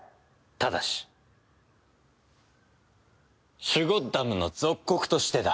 ただしシュゴッダムの属国としてだ。